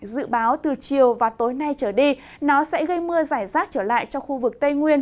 dự báo từ chiều và tối nay trở đi nó sẽ gây mưa giải rác trở lại cho khu vực tây nguyên